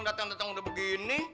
dateng dateng udah begini